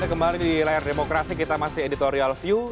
kembali di layar demokrasi kita masih editorial view